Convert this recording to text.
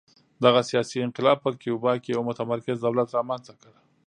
دغه سیاسي انقلاب په کیوبا کې یو متمرکز دولت رامنځته کړ